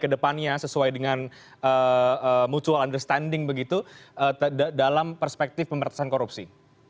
kedepannya sesuai dengan mutual understanding begitu dalam perspektif pemberantasan korupsi